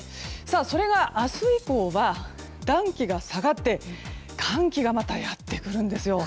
それが明日以降は暖気が下がって寒気がまたやってくるんですよ。